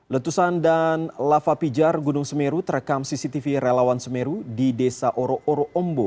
letusan dan lava pijar gunung semeru terekam cctv relawan semeru di desa oro oro ombo